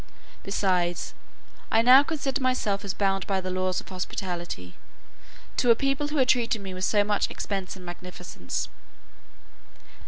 Besides, I now considered myself as bound by the laws of hospitality, to a people who had treated me with so much expense and magnificence.